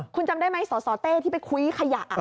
คุณจำได้ไหมสสเต้ที่ไปคุยขยะ